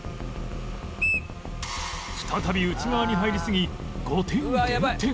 再び内側に入りすぎ５点減点